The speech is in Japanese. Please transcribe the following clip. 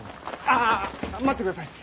あ待ってください。